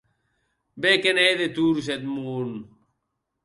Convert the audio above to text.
Be ne hè de torns eth mon!